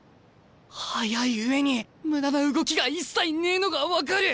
早い上に無駄な動きが一切ねえのが分かる！